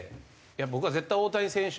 僕は絶対大谷選手